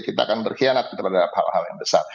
kita akan berkhianat terhadap hal hal yang besar